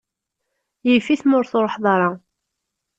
Yif-it ma ur truḥeḍ ara.